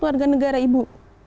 warga negara ibu